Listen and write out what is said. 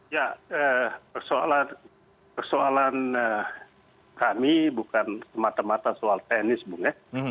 ya persoalan kami bukan semata mata soal teknis bung ya